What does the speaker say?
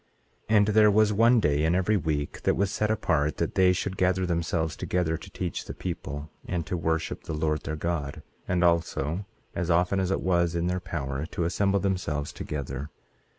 18:25 And there was one day in every week that was set apart that they should gather themselves together to teach the people, and to worship the Lord their God, and also, as often as it was in their power, to assemble themselves together.